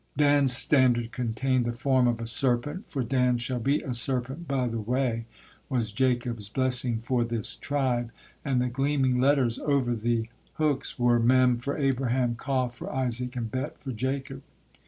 Dan's standard contained the form of a serpent, for "Dan shall be a serpent by the way," was Jacob's blessing for this tribe; and the gleaming letters over the hooks were: Mem for Abraham, Kof for Isaac, and Bet for Jacob.